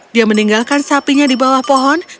dia meninggalkan sapinya di bawah pohon